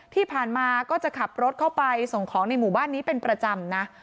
ที่ผ่านมาก็จะขับรถเข้าไปส่งของในหมู่บ้านนี้เป็นประจำนะ